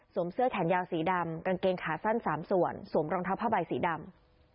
เสื้อแขนยาวสีดำกางเกงขาสั้น๓ส่วนสวมรองเท้าผ้าใบสีดำ